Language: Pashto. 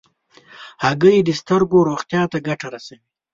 هګۍ د سترګو روغتیا ته ګټه رسوي.